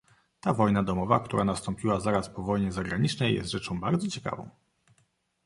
"Ta wojna domowa, która nastąpiła zaraz po wojnie zagranicznej, jest rzeczą bardzo ciekawą."